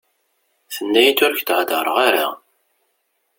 Tenna-iyi-d ur k-d-heddreɣ ara.